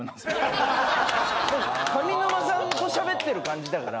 上沼さんとしゃべってる感じだから。